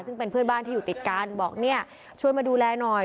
ซึ่งเป็นเพื่อนบ้านที่อยู่ติดกันบอกเนี่ยช่วยมาดูแลหน่อย